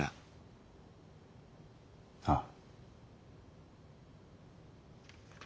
ああ。